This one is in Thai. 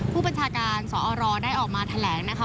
ผู้บัญชาการสอรได้ออกมาแถลงนะคะ